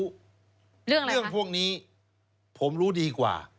เรื่องอะไรครับเรื่องพวกนี้ผมรู้ดีกว่า